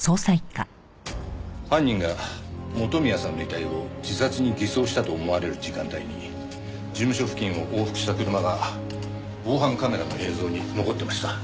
犯人が元宮さんの遺体を自殺に偽装したと思われる時間帯に事務所付近を往復した車が防犯カメラの映像に残ってました。